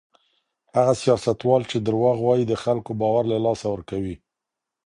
هغه سياستوال چي درواغ وايي د خلګو باور له لاسه ورکوي.